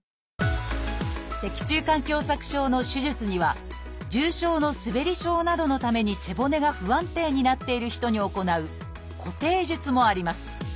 脊柱管狭窄症の手術には重症のすべり症などのために背骨が不安定になっている人に行う「固定術」もあります。